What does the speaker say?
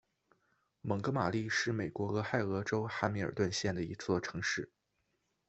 蒙哥马利是美国俄亥俄州汉密尔顿县的一座城市。